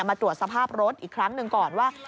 มาตรวจสภาพรถอีกครั้งหนึ่งก่อนว่า